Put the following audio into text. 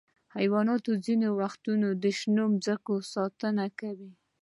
حیوانات ځینې وختونه د شنو ځمکو ساتنه کوي.